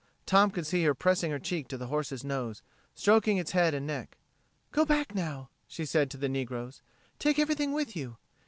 Tom could see her pressing her cheek to the horse's nose, stroking its head and neck. "Go back now," she said to the negroes. "Take everything with you.